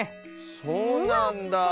そうなんだあ。